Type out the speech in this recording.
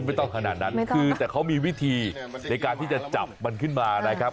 ไม่ต้องขนาดนั้นคือแต่เขามีวิธีในการที่จะจับมันขึ้นมานะครับ